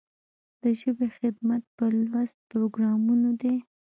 د ژبې خدمت په لوست پروګرامونو دی.